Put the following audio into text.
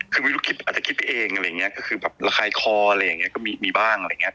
คือไม่รู้คิดอาจจะคิดไปเองอะไรอย่างเงี้ยก็คือแบบระคายคออะไรอย่างนี้ก็มีบ้างอะไรอย่างเงี้